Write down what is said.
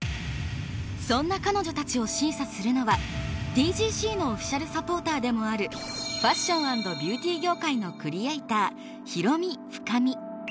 そんな彼女たちを審査するのはＴＧＣのオフィシャルサポーターでもあるファッション＆ビューティ業界のクリエイター広海深海。